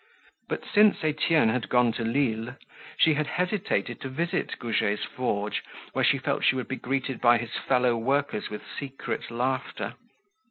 But since Etienne had gone to Lille, she had hesitated to visit Goujet's forge where she felt she would be greeted by his fellow workers with secret laughter.